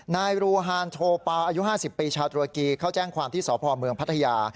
นายรูฮานโทปาอายุ๕๐ปีชาวตุรกีเข้าแจ้งความที่สพเมืองพัทยา